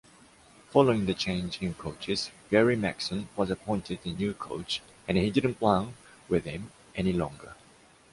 Following the change in coaches, Gary Megson was appointed the new coach; and he didn’t plan with him any longer.